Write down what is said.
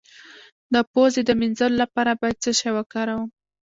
د پوزې د مینځلو لپاره باید څه شی وکاروم؟